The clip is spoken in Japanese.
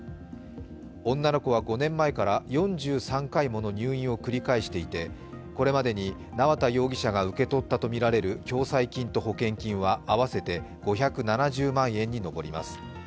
女の子は５年前から４３回もの入院を繰り返していてこれまでに縄田容疑者が受け取ったとみられる共済金と保険金は合わせて５７０万円に上ります。